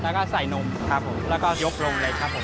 แล้วก็ใส่นมครับผมแล้วก็ยกลงเลยครับผม